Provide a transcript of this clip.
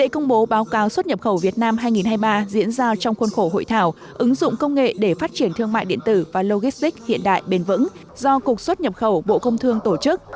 hội thảo xuất nhập khẩu việt nam hai nghìn hai mươi ba diễn ra trong khuôn khổ hội thảo ứng dụng công nghệ để phát triển thương mại điện tử và logistic hiện đại bền vững do cục xuất nhập khẩu bộ công thương tổ chức